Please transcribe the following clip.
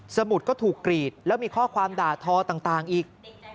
สมุดก็ถูกกรีดแล้วมีข้อความด่าทอต่างอีก